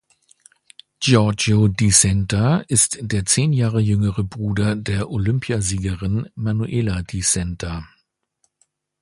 Giorgio Di Centa ist der zehn Jahre jüngere Bruder der Olympiasiegerin Manuela Di Centa.